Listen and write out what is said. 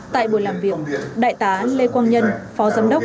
tại buổi làm việc đại tá lê quang nhân phó giám đốc